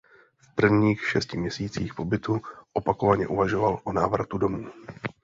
V prvních šesti měsících pobytu opakovaně uvažoval o návratu domů.